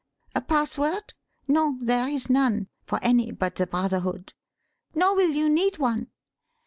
A password? No, there is none for any but the Brotherhood. Nor will you need one.